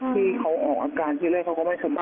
ที่เขาออกอาการที่แรกเขาก็ไม่สบาย